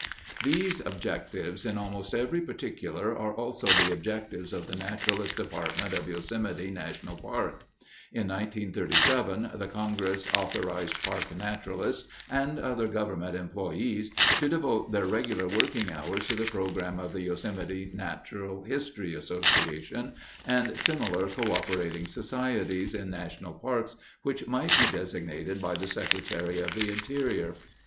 These objectives in almost every particular are also the objectives of the Naturalist Department of Yosemite National Park. In 1937 the Congress authorized park naturalists and other government employees to devote their regular working hours to the program of the Yosemite Natural History Association and similar "coöperating societies" in national parks which might be designated by the Secretary of the Interior.